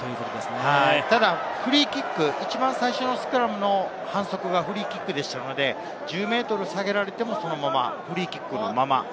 ただフリーキック、一番最初のスクラムの反則がフリーキックでしたので、１０ｍ下げられても、このままフリーキックのまま。